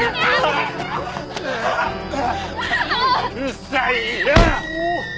うるさいな！